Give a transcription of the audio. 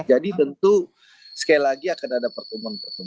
jadi tentu sekali lagi akan ada pertemuan pertemuan